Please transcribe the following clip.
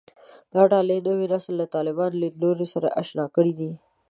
دا ډلې نوی نسل له طالباني لیدلوري سره اشنا کړی دی